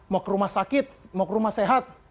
mau ke rumah sakit mau ke rumah sehat